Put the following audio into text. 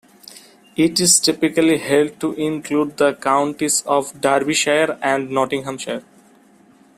It is typically held to include the counties of Derbyshire and Nottinghamshire.